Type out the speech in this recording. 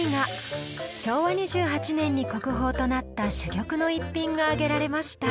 昭和２８年に国宝となった珠玉の逸品が挙げられました。